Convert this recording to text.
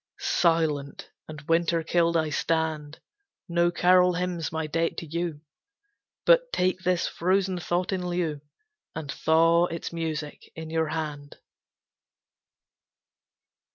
Silent and winter killed I stand, No carol hymns my debt to you; But take this frozen thought in lieu, And thaw its music in your hand.